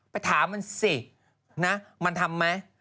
ไปถามมันสินะมันทำไหม